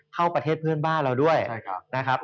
ประเทศเพื่อนบ้านเราด้วยนะครับ